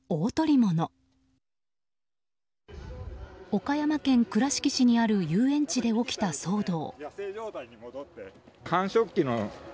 岡山県倉敷市にある遊園地で起きた騒動。